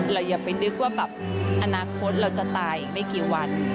อย่าไปนึกว่าแบบอนาคตเราจะตายอีกไม่กี่วัน